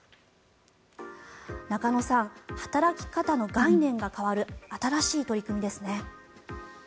中野さん、働き方の概念が変わる新しい取り組みですね。